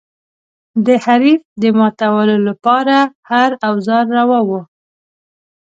د حریف د ماتولو لپاره هر اوزار روا و.